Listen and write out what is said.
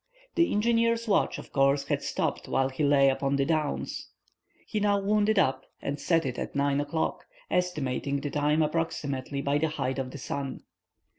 The engineer's watch, of course, had stopped while he lay upon the downs. He now wound it up, and set it at 9 o'clock, estimating the time approximately by the height of the sun.